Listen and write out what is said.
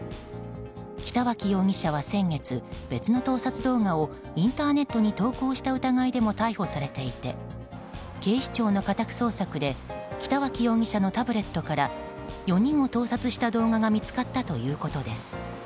北脇容疑者は先月別の盗撮動画をインターネットに投稿した疑いでも逮捕されていて警視庁の家宅捜索で北脇容疑者のタブレットから４人を盗撮した動画が見つかったということです。